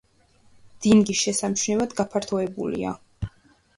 დინგი შესამჩნევად გაფართოებულია.